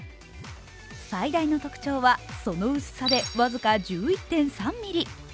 最大の特徴は、その薄さでわずか１１．３ミリ。